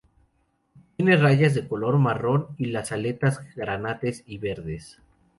Tiene rayas de color marrón, y las aletas granates y verdes.